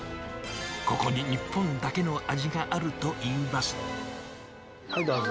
ここに日本だけの味があるとはい、どうぞ。